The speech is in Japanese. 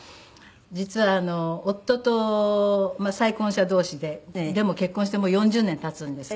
実は夫とまあ再婚者同士ででも結婚してもう４０年経つんですけど。